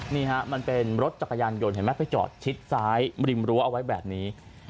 นี่ฮะมันเป็นรถจักรยานยนต์เห็นไหมไปจอดชิดซ้ายริมรั้วเอาไว้แบบนี้